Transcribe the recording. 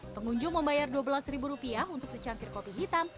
pengunjung membayar dua belas rupiah untuk secangkir kopi hitam